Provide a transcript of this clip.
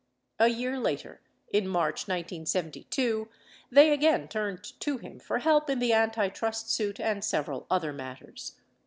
A year later, in March 1972, they again turned to him for help in the antitrust suit and several other matters.